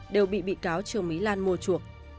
đều bị bị cáo trường mỹ lan mua chuộc